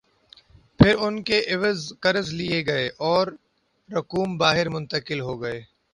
پھر ان کے عوض قرض لئے گئے اوررقوم باہر منتقل ہوئیں۔